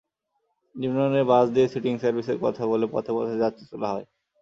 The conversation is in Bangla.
নিম্নমানের বাস দিয়ে সিটিং সার্ভিসের কথা বলে পথে পথে যাত্রী তোলা হয়।